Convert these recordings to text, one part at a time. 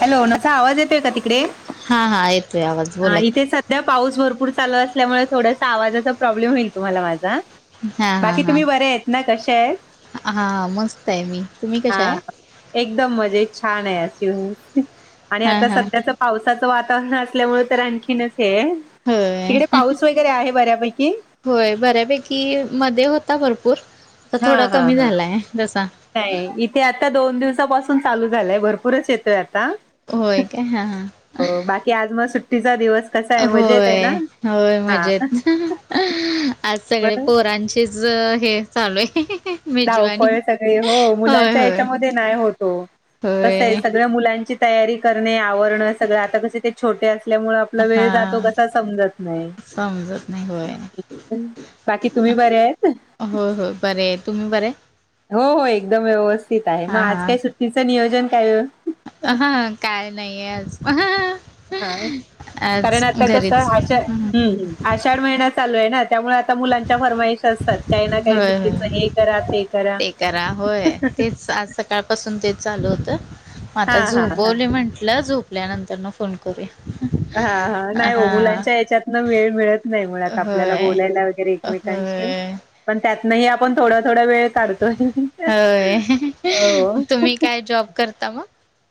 Hello [inaudible] आवाज येतोय का तिकडे? हा हा येतोय आवाज हा बोला की इथेच. उद्या पाऊस भरपूर चालू असल्यामुळे थोडसा, आवाजाचा प्रॉब्लेम होईल तुम्हाला माझा. हा हा बाकी हा तुम्ही बऱ्या आहेत ना कशा आहेत, हा मस्त आहे मी तुम्ही हा कशा आहे एकदम मजेत छान आहे आसूस आणि हा आता हा सध्याच पावसाचं वातावरण असल्यामुळे तर आणखीनच हे आहे. होय तिकडे पाऊस वगैरे आहे बऱ्यापैकी? होय बऱ्यापैकी मध्ये होता भरपूर आता हा थोडा हा कमी हा झालाय तसा. नाही इथे आता दोन दिवसापासून चालू झालाय भरपूरच येतोय आता. होय काय हा हा. हो बाकी आज मग सुट्टीचा दिवस. कसा आहे मजेत आहे होय, ना होय मजेत. हा आज सगळे बरं पोरां चीच हे चालू आहे. मेजवानी धावपळ सगळे हो होय मुलांच्या होय ह्याच्यामध्ये नाही होत ओ कसं आहे होय सगळ्या मुलांची तयारी करणे, आवरणं सगळं आता कसे ते छोटे अस ल्यामुळे आपला वेळ जातो हा कसा समजत नाही. समजत नाही होय. बाकी तुम्ही बरे आहेत? होय होय बऱ्याय. तुम्ही बऱ्याय? हो हो एकदम व्यवस्थित आहे मग हा आज काय सुट्टीचं नियोजन काय वो? अहं काय नाहीये आज. हा कारण आज आता कस घरीच आषा आषाढ महिना चालू आहे ना त्यामुळे आ आता मुलांच्या फरमाईश असतात काही ना काही होय सुट्टीच होय हे करा ते करा. होय तेच आज सकाळपासून तेच चालू होत मग हा आता हा झोपवलोय म्हंटलं झोपल्यानंतर फो फोन करूया, अहा. ह्यातन वेळ मिळत नाही मुळात आपल्याला बोलायला वगैरे एकमेकांशी होय पण त्यातनही आपण थोडा थोडा वेळ काढतोय. होय. हो. तुम्ही काय जॉब करता मग?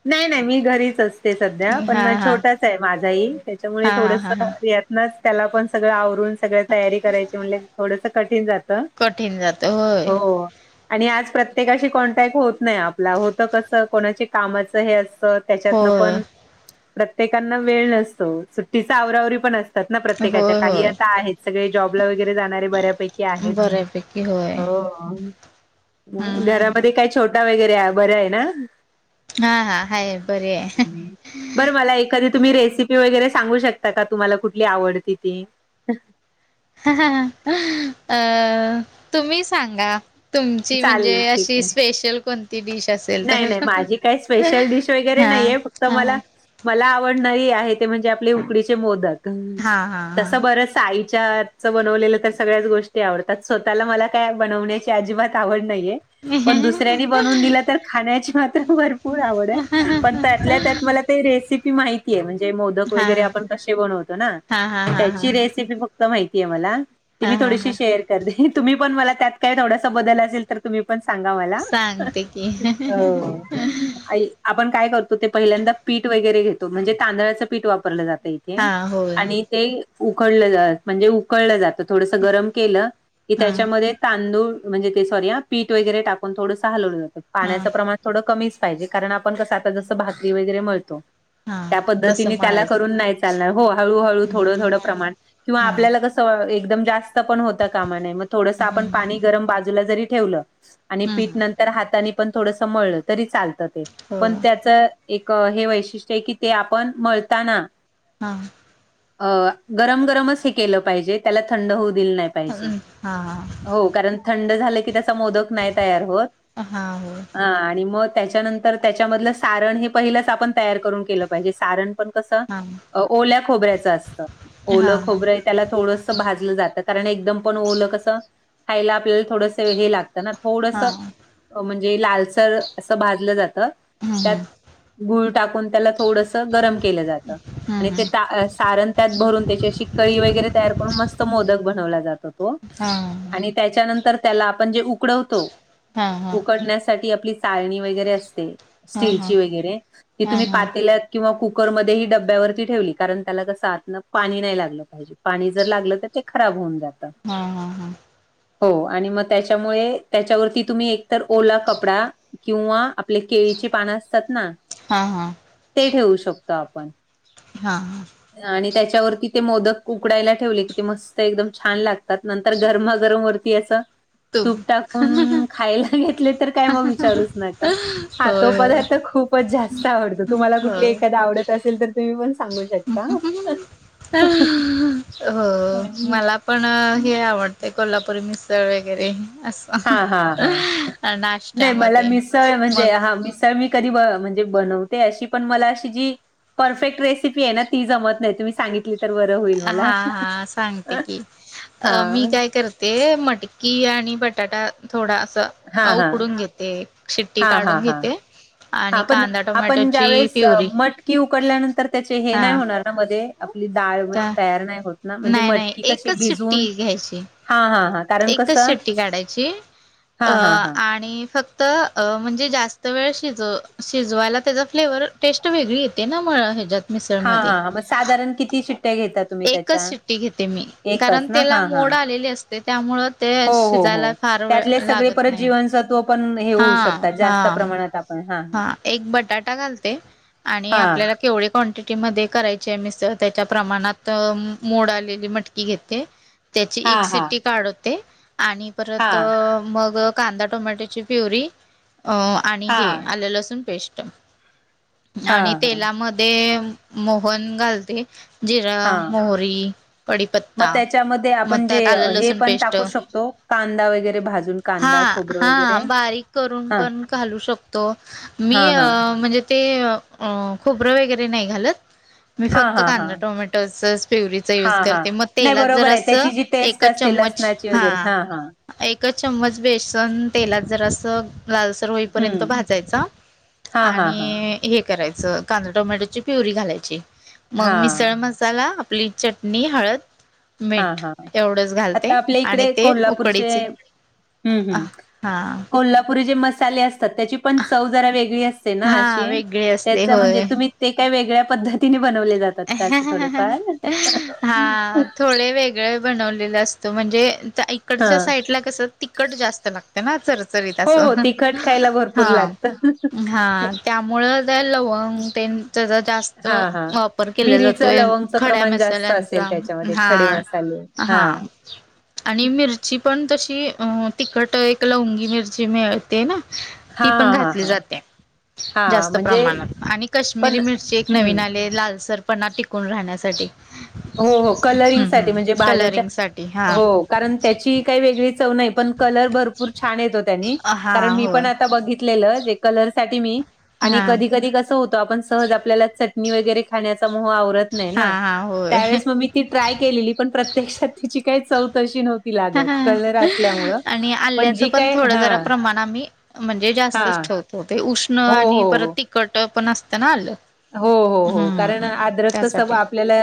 नाही नाही. मी घरीच असते सध्या पण हा माझा हा छोटाच आहे माझाही त्याच्यामुळे हा थोडस हा हा घरी अस त्यातनच त्याला पण सगळं आवरून सगळ तयारी करायची म्हणलं की थोडस कठीण जात, कठीण जात होय हो. आणि आज प्रत्येकाशी कॉन्टॅक्ट होत नाही आपला होतं कस कोणाची कामाचं हे असतं त्याच्यातन होय पण प्रत्येकाना वेळ नसतो सुट्टीचा आवराआवरी पण अस तात ना प्रत्येकाच्या, होय काही होय आता आहेत सगळे जॉबला वगैरे जाणारे बऱ्यापैकी आहेत. बऱ्यापैकी होय हो. हम्म घरामध्ये काय छोटा वगैरे आहे बरा आहे ना? हा हा हा हाय. बरी आहे बरं मला एखादी तुम्ही रेसिपी वगैरे सांगू शकता का तुम्हाला कुठली आवडती ती. अ तुम्ही सांगा. तुमची म्हणजे चालेल ठीक अशी आहे स्पेशल कोणती डिश असे नाही नाही माझी काही स्पेशल डिश वगैरे हा नाहीये फक्त हा मला मला आवडणारी आहे ते म्हणजे आपले उकडीचे मोदक हा हा हा तसं बरस आई च्या हातच बनवलेलं तर सगळ्याच गोष्टी आवडतात. स्वतःला मला काय बनवण्याची अजिबात आवड नाहीये. पण दुसऱ्यांनी बनवून दिलं तर खाण्याची मात्र भरपूर आवड आहे. पण त्यातल्या त्यात मला ते रेसिपी माहिती आहे म्हणजे मोदक हा वगैरे आपण कसे बनवतो ना हा हा हा हा त्याची हा रेसिपी फक क्त माहितीये मला ति हा मी हा थोडीेशी हा शेअर करते तुम्ही पण मला त्यात काही थोडासा बदल असेल तर तुम्ही पण सांगा मला. सांगते की हो. ऐक. आपण काय करतो ते पहिल्यांदा पीठ वगैरे घेतो म्हणजे तांदळाच पीठ वापरलं जातंय. ते हा होय आणि ते उकळल जा म्हणजे उकळल जात थोडस गरम केल की हा त्याच्यामध्ये तांदूळ म्हणजे ते सॉरी आ पीठ वगैरे टाकून थोडस हलवल जात हा पाण्याच प्रमाण थोड कमीच पाहिजे कारण आपण कस आता जस भाकरी वगैरे मळतो हा त्या पद्धतीने तसं त्याला म्हणायचं करून नाही चा त्याला हो हळू हळूहळू थोड थोड प्रमाण किंवा हा आपल्याला कस एकदम जास् स्त पण होता कामा नये म थोडस आपण पाणी गरम बाजूला जरी ठेवल आणि पिठ हम्म नंतर तर हातानी पण थोडस मळल तरी चालत ते हो पण त्याच एक हे वैशिष्ट्य आहे की ते आपण मळताना हा हा अ गरम गरमच हे केल पाहिजे त्याला थंड होऊ दिल नाही हा पाहीजेत हो कारण थंड झाल की त्याचा मोदक नाही तयार होत हा हो हा आणि मग त्याच्यानंतर त्याच्यामधल सारण हे पहिलच आपण तयार करून केल पाहिजे सारण पण कस हा हा ओल्या खोबर्याच असत हा ओल हा हा खोबर त्याला थोडस भाजल जात कारण एकदम पण ओल कस खायला आपल्या थोडस चवीला हे लागत ना थोडस हा म्हण लालसर अस भाजल्या जात हा त्यात हा गूळ टाकून त्याला थोडस गरम केल जात आणि ते ता सारण त्यात भरून त्याची अशी कळी वगैरे तयार करून मस्त मोदक बनवला जातो तो हम् ह आणि त्याच्यानंतर त्याला आपण जे उ उकडवतो हा हा उकडण्यासाठी आपली चाळणी वगैरे असते हा स्टीलची वगैरे ती हा तुम्ही हा पातेल्यात किंवा कुकरमध्येही डब्यावरती ठेवली कारण त्याला कस आतन पाणी नाही लागल पाहिजे पाणी जर लागल तर ते खराब होऊन जात हा हा हा हो आणि मग त्याच्यामुळे त्याच्यावरती तुम्ही एकतर ओला कपडा किंवा आपले केळीची पान असतात ना हा हा ते ठेवू शकतो आपण हा हा आणि त्याच्यावरती ते मोदक उकडायला ठेवले की ते मस्त एकदम छान लागत त नंतर गरमागरम वरती अस तू तूप टाकून खायला घेतले तर काय मग विचारूच नका हा तो होय पदार्थ खूपच जास्त आवडतो तुम्हाला कुठली होय हो एखादा आवडत असेल तर तुम्ही पण सांगू शकता. हो मला पण हे आवडते कोल्हापुरी मिसळ वगैरे अस हा हा हा नाही मला मिसळ मग म्हणजे हा मिस तर मी कधी म्हणजे बनवते अशी पण मला अशी जी परफेक्ट रेसिपी आहे ना ती जमत नाही तुम्ही सांगितली तर बर होईल हा मला हा सांगते की हा मी काय करते ते मटकी आणि बटाटा थोडा अस हा अस हा उकडून घेते शिट्टी हा हा काढून हा घेते हा आणि पण कांदा आपण टोमॅटोची ज्यावेेळेस प्युरी मटकी उकडल्यानंतर त्याचे हे हा नाही होणार ना मधे आपली डाळ त्या तयार नाही होत ना म्हणजे नाही नाही मटकी कशी एकच शिट्टी भिजून घ्यायची हा हा हा कारण एकच कसं सुिट्टी काढायची अ हा हा हा आणि फक्त त म्हणजे जास्त वेळ शिज शिजवायला त्याचा फ्लेवर टेस्ट वेगळी येते ना म ह्याच्यात हा- मिसळमध्ये हा मग साधारण किती शिट्टया घेतात? एकच शिट्टी घेते मी कारण ना त्याला हा हा मोड आलेली असते त्यामुळ ते हो हो हो शिजायला फार वेळ त्यातले सगळे लागत परत नाही जीवनसत्व पण हे होऊ हा शकतात जास्त हा प्रमाणात आपण हा हा एक बटाटा घालते. आणि हा आपल्याला केवढी क्वांटिटी मध्ये करायची मी त्याच्या प्रमाणात मोड आलेली मटकी घेते. त्याची हा एक हा शिट्टी काढवते आणि हा परत मग कांदा टोमॅट्याची प्युरी अ आणि हा हे आले लसूण पेस्ट. हा आणि हा तेलामध्ये मोहन घालते. जिरा हा मोहरी मग कढीपत्ता त्याच्यामध्ये मग आपण जे त्यात आलं हे लसूण पण पेस्ट. टाकू शकतो कांदा वगैरे भाजून हा कांदा खोबरं -हा वगैरे बारीक करून हा पण घालू शकतो. मी हा हा म्हणजे ते खोबरं वगैरे नाही घालत. मी हा फक्त हा हा कांदा टोमॅटोच प्यवरीच हा यूज हा करते मग नाही तेलात जर बरोबर आहे असं त्याची जी टेस्ट एकच असते चमच लसणाची हा वगैरे हा एक चम्मच बेसन तेलात जर असं लालसर होईपर्यंत हम्म भज हा हा हा आणि हे करायचं कांदा टोमॅटोची प्युरी घालायची. मग हा मिसळ मसाला आपली चटणी हळद. हा मीठ -हा एवढंच घालते आता आपल्या आणि इकडे ते कोल्हापूरचे उकडीचे हम्म - हम्म. हा कोल्हापुरी जे मसाले असतात त्याची पण चव जरा वेगळी अस असते ना हा अशी वेगळी असते ते म्हणजे होय. तुम्ही ते काय वेगळ्या पद्धती तिने बनवले जातात का असं थोडेफार. हा थोडे वेगळे बनवलेला असतो म्हणजे हा इकडच्या साईडला कसं तिकट जास्त लागत लागत ना चरचरीत हो असं हो तिखट खायला भरपूर हा. लागतं हा त्यामुळ लवंग टेन त्याच जास्त हा हा केलं मिरीचं जातोय लवंगचं खड्या प्रमाण जास्त मसाल्यांचा असेल त्याच्यामध्ये हा खडे मसाले - हा. आणि मिरची पण तशी अ तिखट एक लवंगी मिरची मिळ ते ना हा ती पण हा हा घातली हा जाते. हा जास्त म्हणजे प्रमाणात आणि काश्मीरी पण मिरची एक हम्म नवीन आली लाल पणा टिकून राहण्यासाठी. हो- हो हम्म कलरिंगसाठी हम्म म्हणजे भाज्याच्या कलरिंग साठी हा हो कारण त्याची काही वेगळी चव नाही. पण कलर भरपूर छान येतो त्यानी हा कारण मी होय पण आत्ता बघितलेलं ते कलर साठी मी हा कधी -कधी कस होत आपण सज आपल्या चाट नी वगैरे खाण्याचा मोह आवरत नाही हा ना. हा होय त्यावेळेस मग मी ती ट्राय केलेली पण प्रत्यक्षात तिची काही चव तशी नव्हती. लागत कलर असल्यामुळं. आणि आल्याचं जी पण काय थोडं हा जरा प्रमाण आम्ही म्हणजे जास्तच हा ठेवतो. हो ते उष्ण हो आणि हो. परत तखट पण असतं ना आलं. हो- हो- हो. कारण हम्म आदरक सव त्यासाठी आपल्याला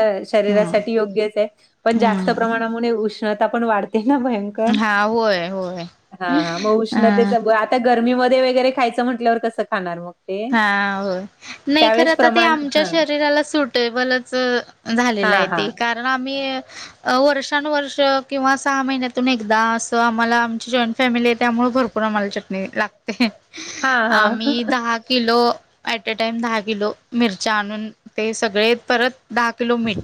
हम्म शरीरासाठी योग्यच आहे. पण जास्त हम्म प्रमाणामुळे उष्णता पण वाढते ना भय कर हा होय होय हा -हा मग उष्णतेच अ आता गरमीमध्ये वगैरे खायचं म्हटल्यावर कसं खाणार मग ते. हा हो. नाही. खर त्यावेळेस आता ते प्रमाण आमच्या हां शरीराला सुटेबलच झालेलं आहे हां ते हां का. तर आम्ही वर्षानुवर्ष किंवा सहा महिन्यातून एकदा असं आम्हाला आमची जॉईंट फॅमिली आहे त्यामुळे भरपूर पूम्हाला चटणी लागते हां हां आम्ही दहा किलो. यॅट टाइम दहा किलो मिरच्या आणून ते सगळे परत दहा किलो मीठ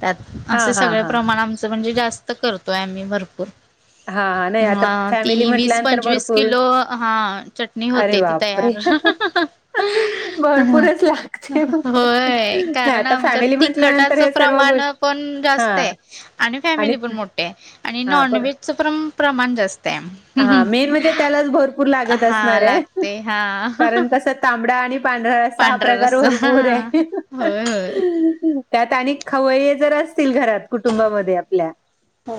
त्यात हां आसं हां सगळ हां. प्रमाण आमचं म्हणजे जास्त करतोय आम्ही भरपूर. हां हां नाही आता हा ती फॅमिली वीस म्हटल्यानंतर पंचवीस भरपूर किलो हा चटणी अरे होते ती. बापरे! तयार हा भरपूरच [unintelligible] लागते [unintelligible] मग. होय नाही कारण आता आमच्यात फॅमिली म्हटल्यानंतर तिखटाचं हे सर्व प्रमाण गोष्टी पण जास्त हां आहे, आणि फॅमिली पण मोठी आहे, आणि हां नॉन व्हेजच पण प्रमाण जास्त हा आहे. मेन म्हणजे त्यालाच भरपूर लागत हा असणार आहे, लागते हा कारण कसं तांबडा आणि पांढरा रस्सा हा पांढरा प्रकार रस्सा भरपूर हा आहे. होय होय. त्यात आणि खवये जर असतील घरात कुटुंबामध्ये आपल्या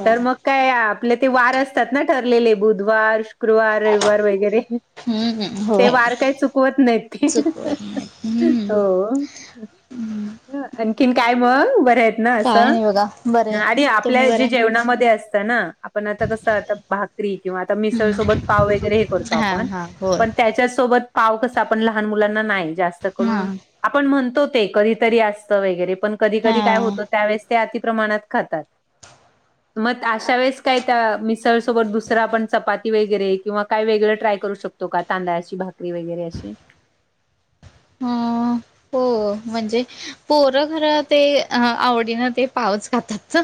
तर मग काय आपले ते वार असतात ना ठरलेले बुधवार, शुक्रवार, रविवार वगैरे हम्म ते होय वार काय चुकवत नाहीत ते. चुकवत नाही हम्म हो, आणखीन काय म? बरे आहेत ना काय आसं? नाही बघा बरे आणि तुम्ही आपल्या जे बरे जेवणामध्ये असतं ना आपण आता कसं आता भाक री किंवा आता मिसळ सोबत पाव वगैरे हे करतो हा आपण हा होय पण त्याच्या सोबत पाव कसं आपण लहान मुलांना नाही जास्त हा करून आपण म्हणतो ते कधीतरी आसतं वगैरे पण कधी कधी काय हा होत त्या वेळेस ते अती प्र्रणात खातात मग अशा वेळेस काय त्या मिळ सोबत दु सरं आपण चपाती वगैरे किंवा काय वेगळं ट्राय करू शकतो का तांदळाची भाकरी वगैरे अशी? हं हो म्हणजे पोरं खरं ते आवडीन ते पावच खातात,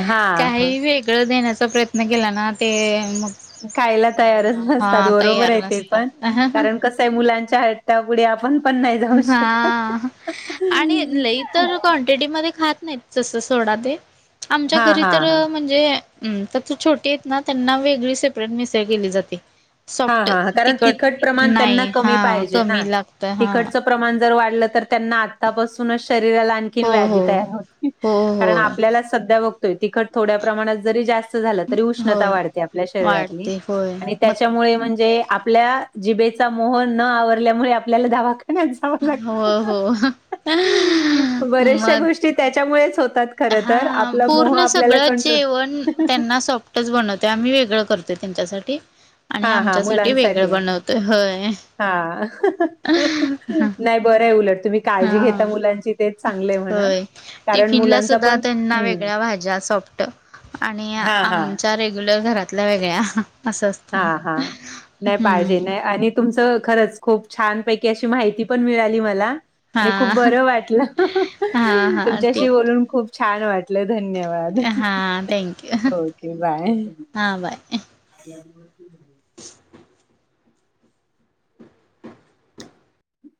हा हा. काही वेगळं देण्याचा प्रयत्न केला ना ते मग खायला तयारच नसतात हा बरोबर तयार आहे ते पण, नसतात कारण कस मुलांच्या हट्टा पुुढे आपण पण नाही जाऊ हा शकत. आणि लई तर कोण टेडीमध्ये खात नाहीत तसं सोडा ते, आमच्या हा घरी हा तर हा म्हणजे हू त तू छोटी आहेत ना त्यांना वेगळी सेपरेट मिसळ केली जाते. हा सॉफ्ट हा, कारण तिखट प्रमाण त्यांना नाही कमी हा पाहिजे ना? कमी लागत हा तिखटच प्रमाण जर वाढलं तर त्यांना आतापासूनच शरीराला आणखीन हो व्याधी हो तयार होते, हो कारण होय आपल्याला सध्या बघ तो तिखट थोड्या प्रमाणात जरी जास्त झालं तरी उष्णता होय वाढते आपल्या शरीरातली, वाढते होय आणि त्या मग मुळे म्हणजे आपल्या जिबेचा मोह न आवरल्यामुळे आपल्याला दहा भा ना जावं लाग हो हो [unintelligible] बऱ्याचशा मग गोष्टी त्याच्यामुळेच होतात खरतर हा आपलं मोह पूर्ण आपल्याला कंट्रोल च बनवतोय आम्ही वेगळं करतोय त्यांच्यासाठी हा आणि हा आमच्यासाठी वेगळं मुलांसाठी बनवतोय होय हा नाही बरं आहे उलट तुम्ही काळजी हा घेता मुलाची तेच चांगल आहे म्हणा होय कारण टिफिनला मुलांचा सुद्धा पण त्यांना हुं वेगळ्या [inaudible] भाज्या सॉफ्ट आणि आमच्या रेग्युलर घरातल्या वेगळ्या असं हा असतं हा, नाही पाहिजे हम्म नाही आणि तुमच खरचं खूप छानपैकी अशी माहिती पण मिळाली मला, आणि खूप हा बरं वाटलं हा हा तुमच्याशी ठीक बोलून खूप छान वाटलं धन्यवाद. हा थँक्यू ओके बाय. हा बाय. [inaudible]